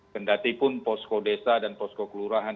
tentu pun posko desa dan posko kelurahan